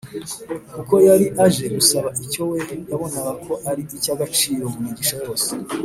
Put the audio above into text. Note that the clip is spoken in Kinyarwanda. kuko yari aje gusaba icyo we yabonaga ko ari icy’agaciro mu migisha yose